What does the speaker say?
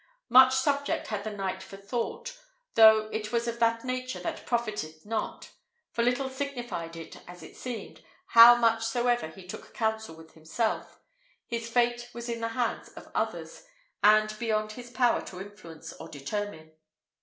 Much subject had the knight for thought, though it was of that nature that profiteth not; for little signified it, as it seemed, how much soever he took counsel with himself: his fate was in the hands of others, and beyond his power to influence or determine.